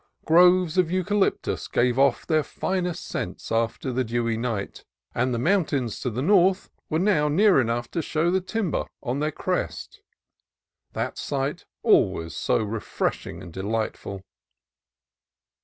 Groves of eucalyptus gave off their finest scents after the dewy night; and the mountains to the north were now near enough to show the timber on their crest, — that sight always so refreshing and delightful.